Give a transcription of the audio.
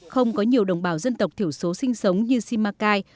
không có nhiều đồng bào dân tộc thiểu số sinh sống như simacai